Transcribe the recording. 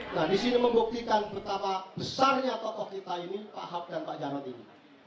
nah disini membuktikan betapa besarnya tokoh kita ini pak ahok dan pak jarod ini